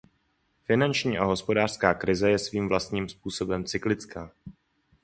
Finanční a hospodářská krize je svým vlastním způsobem cyklická.